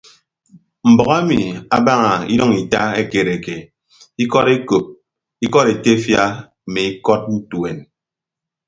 Mbʌk emi abaña idʌñ ita ekekereke ikọd ekop ikọd etefia mme ikọd ntuen.